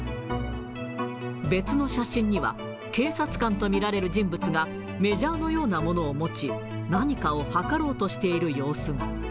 別の写真には、警察官と見られる人物が、メジャーのようなものを持ち、何かを測ろうとしている様子が。